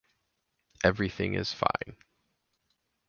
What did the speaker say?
Everything is fine.